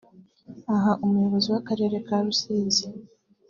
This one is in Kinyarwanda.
Aha Umuyobozi w’Akarere ka Rusizi